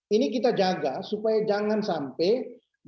ini kita jaga supaya jangan sampai